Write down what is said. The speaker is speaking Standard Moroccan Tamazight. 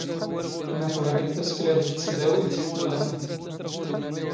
ⵎⴰ ⵜⵖⵔⵉⵎ ⵜⴰⵙⴽⵍⴰ ⴷⴳ ⵜⵙⴷⴰⵡⵉⵜ, ⵏⵖ ⵎⴰ?